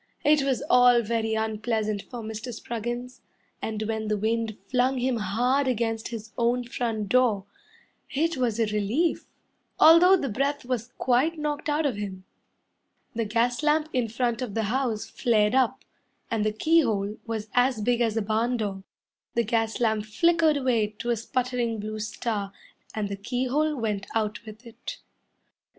It was all very unpleasant for Mr. Spruggins, And when the wind flung him hard against his own front door It was a relief, Although the breath was quite knocked out of him. The gas lamp in front of the house flared up, And the keyhole was as big as a barn door; The gas lamp flickered away to a sputtering blue star, And the keyhole went out with it.